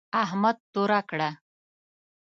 احمد توره کړه.